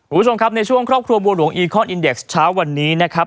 คุณผู้ชมครับในช่วงครอบครัวบัวหลวงอีคอนอินเด็กซ์เช้าวันนี้นะครับ